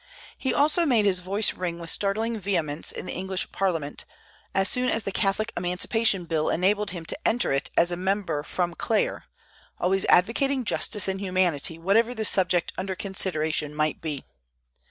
He also made his voice ring with startling vehemence in the English Parliament, as soon as the Catholic Emancipation bill enabled him to enter it as the member from Clare, always advocating justice and humanity, whatever the subject under consideration might be.